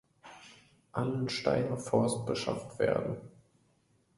Allensteiner Forst beschafft werden.